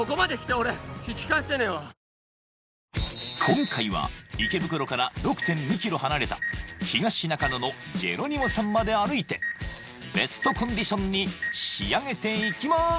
今回は池袋から６．２ｋｍ離れた東中野のジェロニモさんまで歩いてベストコンディションに仕上げていきます